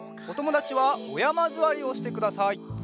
おともだちはおやまずわりをしてください。